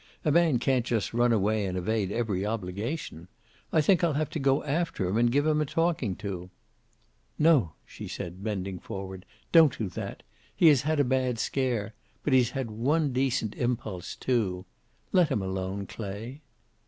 A man can't just run away and evade every obligation. I think I'll have to go after him and give him a talking to." "No!" she said, bending forward. "Don't do that. He has had a bad scare. But he's had one decent impulse, too. Let him alone, Clay."